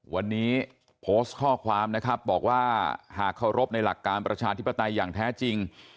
วันนี้โพสต์ข้อความนะครับบอกว่าหากเคารพในหลักการประชาธิปไตยอย่างแท้จริง